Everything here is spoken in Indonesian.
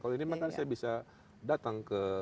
kalau ini makanya saya bisa datang ke